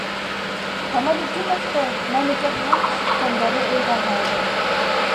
Камалетдиновты Мәликәһенән ишеткәндәре уйға һалды.